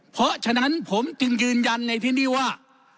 เพราะฉะนั้นผมจึงยืนยันในที่นี่ว่า